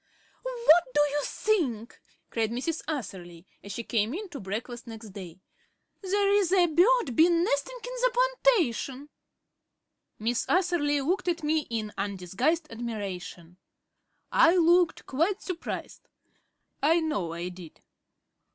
"What do you think?" cried Mrs. Atherley as she came in to breakfast next day. "There's a bird been nesting in the plantation!" Miss Atherley looked at me in undisguised admiration. I looked quite surprised I know I did.